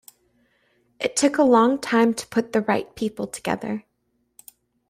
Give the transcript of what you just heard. It took a long time to put the right people together.